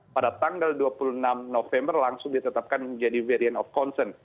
pada tanggal dua puluh enam november langsung ditetapkan menjadi variant of concern